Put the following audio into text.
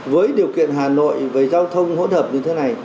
với điều kiện hà nội về giao thông hỗn hợp như thế này